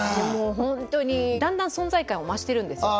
ホントにだんだん存在感を増してるんですよ